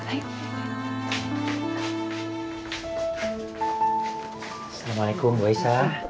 assalamualaikum bu aisyah